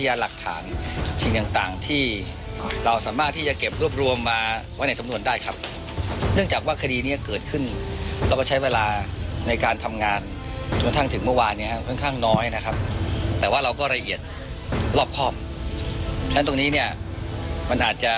ยาท่าน้ำขาวไทยนครเพราะทุกการเดินทางของคุณจะมีแต่รอยยิ้ม